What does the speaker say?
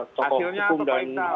asilnya atau baiknya